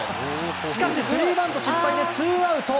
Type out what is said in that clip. しかし、スリーバント失敗でツーアウト。